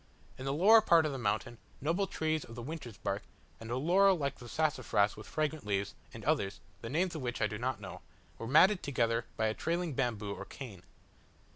In the lower part of the mountain, noble trees of the Winter's Bark, and a laurel like the sassafras with fragrant leaves, and others, the names of which I do not know, were matted together by a trailing bamboo or cane.